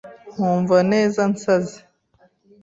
Nkumva neza nsaze?